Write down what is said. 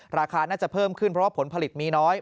ราคาน่าจะเพิ่มขึ้นเพราะว่าผลผลิตมีน้อย